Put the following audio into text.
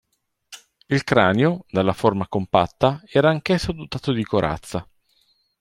Il cranio, dalla forma compatta, era anch'esso dotato di corazza.